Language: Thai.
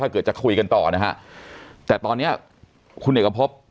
เกิดจะคุยกันต่อนะฮะแต่ตอนเนี้ยคุณเอกพบ